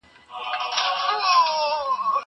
زه اجازه لرم چي سينه سپين وکړم!